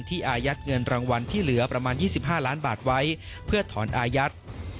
อายัดเงินรางวัลที่เหลือประมาณ๒๕ล้านบาทไว้เพื่อถอนอายัด